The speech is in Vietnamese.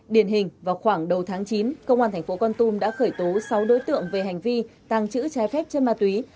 điển hình vào khoảng đầu tháng chín công an tp con tum đã khởi tố sáu đối tượng về hành vi tăng chữ trái phép trên ma túy